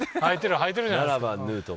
入ってるじゃないですか。